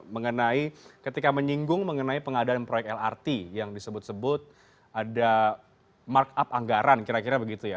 mengenai ketika menyinggung mengenai pengadaan proyek lrt yang disebut sebut ada markup anggaran kira kira begitu ya